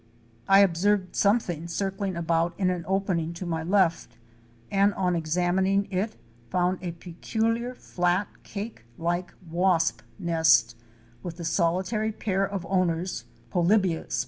I observed something circling about in an opening to my left and on examining it found a peculiar flat cake like wasp nest, with the solitary pair of owners (Polybia ep.)